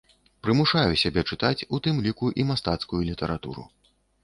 Прымушаю сябе чытаць, у тым ліку і мастацкую літаратуру.